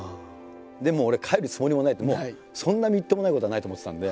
でも俺帰るつもりもないとそんなみっともないことはないと思ってたんで。